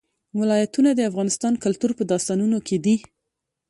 ولایتونه د افغان کلتور په داستانونو کې دي.